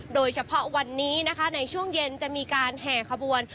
โดยเฉพาะวันนี้นะคะในช่วงเย็นจะมีการแห่ขบวน